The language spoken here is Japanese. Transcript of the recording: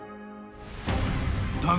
［だが